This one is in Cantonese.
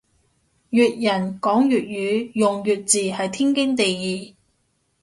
粵人講粵語用粵字係天經地義